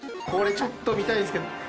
これちょっと見たいですけど。